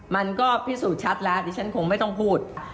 มันก็พิสูจน์ชัดแล้วดิฉันคงไม่ต้องพูด